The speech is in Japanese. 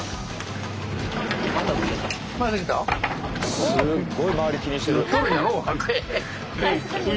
すっごい周り気にしてる。